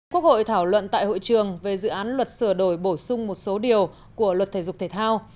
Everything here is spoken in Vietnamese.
quốc hội thảo luận tại hội trường về dự án luật sửa đổi bổ sung một số điều của luật thể dục thể thao